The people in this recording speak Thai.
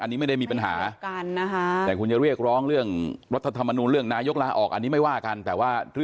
อันนี้มันไม่ได้มีปัญหา